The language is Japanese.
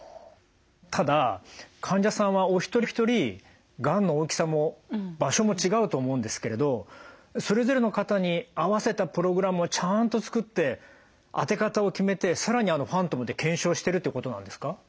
ただ患者さんはお一人お一人がんの大きさも場所も違うと思うんですけれどそれぞれの方に合わせたプログラムをちゃんと作って当て方を決めて更にあのファントムで検証してるってことなんですか？